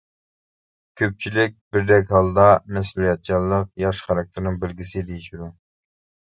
كۆپچىلىك بىردەك ھالدا مەسئۇلىيەتچانلىق ياخشى خاراكتېرنىڭ بەلگىسى دېيىشىدۇ.